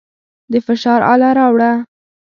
د فشار اله راوړه.